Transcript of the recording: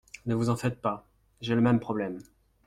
Ne vous en faites pas. J’ai le même problème.